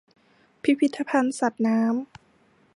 พิพิธภัณฑ์สัตว์น้ำ